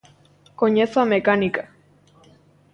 Coñezo a mecánica.